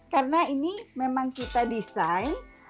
karena ini memang kita desain